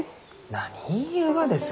何言いゆうがです？